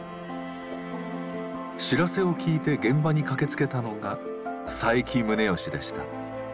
知らせを聞いて現場に駆けつけたのが佐伯宗義でした。